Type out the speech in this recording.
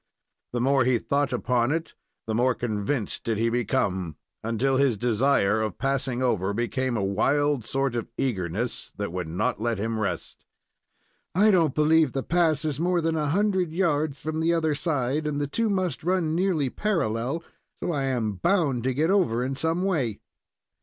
The more he thought upon it the more convinced did he become, until his desire of passing over became a wild sort of eagerness that would not let him rest. "I don't believe the pass is more than a hundred yards from the other side, and the two must run nearly parallel, so I am bound to get over in some way."